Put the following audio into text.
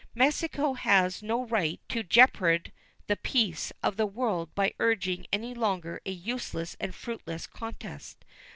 Mexico has no right to jeopard the peace of the world by urging any longer a useless and fruitless contest.